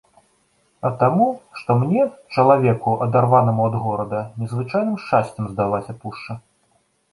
А таму, што мне, чалавеку, адарванаму ад горада, незвычайным шчасцем здалася пушча.